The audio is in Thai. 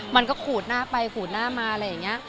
มันก็ขูดหน้าไปขูดหน้ามาอะไรอย่างนี้